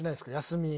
休み。